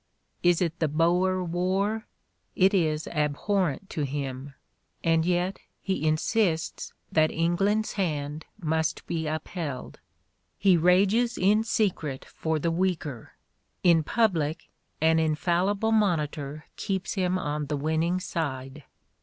Is it the Boer war? It is abhorrent to him, and yet he insists that England's hand must be upheld. He rages in secret for the weaker; in public, an infallible monitor keeps him on the winning side.